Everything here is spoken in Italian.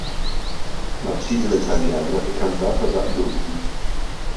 La sigla italiana è cantata da Drupi.